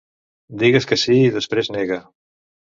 Digues que sí i després nega.